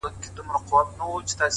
د تجربې ښوونځی تل پرانیستی وي؛